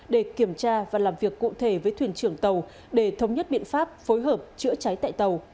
để kiểm tra và làm việc cụ thể với thuyền trưởng tàu để thống nhất biện pháp phối hợp chữa cháy tại tàu